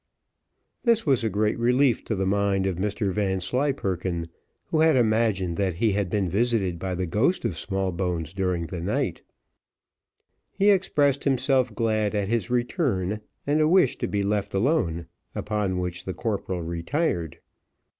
This was a great relief to the mind of Mr Vanslyperken, who had imagined that he had been visited by the ghost of Smallbones during the night: he expressed himself glad at his return, and a wish to be left alone, upon which the corporal retired.